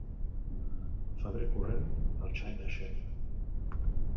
Febrer corrent, el xai naixent.